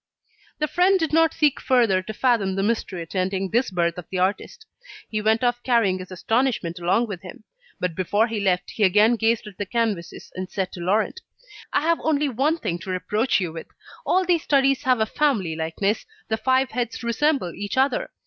The friend did not seek further to fathom the mystery attending this birth of the artist. He went off carrying his astonishment along with him. But before he left, he again gazed at the canvases and said to Laurent: "I have only one thing to reproach you with: all these studies have a family likeness. The five heads resemble each other.